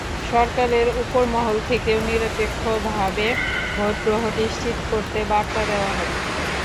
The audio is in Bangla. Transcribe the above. সরকারের ওপরমহল থেকেও নিরপেক্ষভাবে ভোট গ্রহণ নিশ্চিত করতে বার্তা দেওয়া হবে।